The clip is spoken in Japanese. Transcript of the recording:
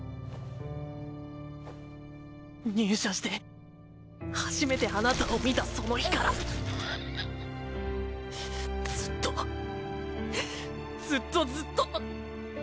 入社して初めてあなたを見たその日からずっとずっとずっと。